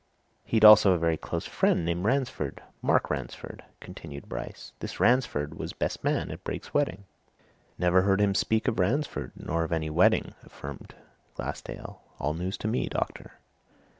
"He'd also a very close friend named Ransford Mark Ransford," continued Bryce. "This Ransford was best man at Brake's wedding." "Never heard him speak of Ransford, nor of any wedding!" affirmed Glassdale. "All news to me, doctor."